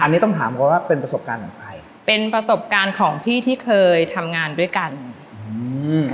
อันนี้ต้องถามก่อนว่าเป็นประสบการณ์ของใครเป็นประสบการณ์ของพี่ที่เคยทำงานด้วยกันอืม